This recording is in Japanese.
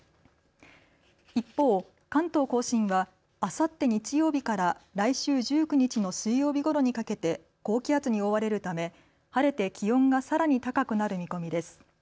一方、関東甲信はあさって日曜日から来週１９日の水曜日ごろにかけて高気圧に覆われるため晴れて気温がさらに高くなる見込みです。